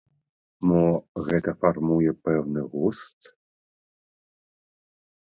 Мо гэта фармуе пэўны густ?